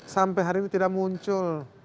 sampai hari ini tidak muncul